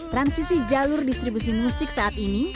transisi jalur distribusi musik saat ini